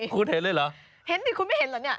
คุณเห็นเลยเหรอ